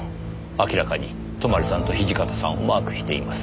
明らかに泊さんと土方さんをマークしています。